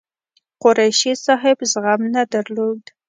قریشي صاحب زغم نه درلود.